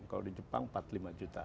kalau di jepang empat puluh lima juta